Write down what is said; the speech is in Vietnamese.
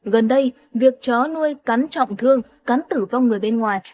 gần đây việc chó nuôi cắn trọng thương cắn tử vong người bên ngoài